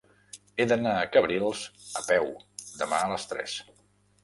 He d'anar a Cabrils a peu demà a les tres.